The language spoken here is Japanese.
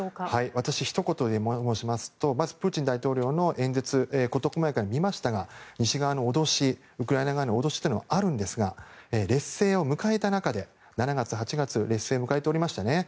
私ひと言で申しますとまずプーチン大統領の演説事細やかに見ましたが西側の脅し、ウクライナ側の脅しというのもあるんですが劣勢を迎えた中で、７月、８月劣勢を迎えておりましたね。